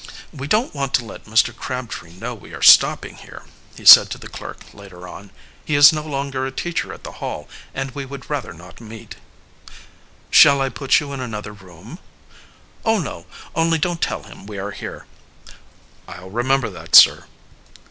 "We don't want to let Mr. Crabtree know we are stopping here," he said to the clerk later on. "He is no longer a teacher at the Hall, and we would rather not meet." "Shall I put you in another room?" "Oh, no; only don't tell him we are here." "I'll remember that, sir."